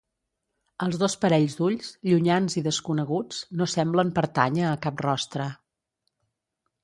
Els dos parells d'ulls, llunyans i desconeguts, no semblen pertànyer a cap rostre.